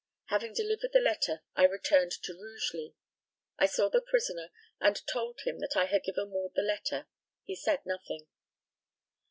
Having delivered the letter, I returned to Rugeley. I saw the prisoner, and told him that I had given Ward the letter. He said nothing.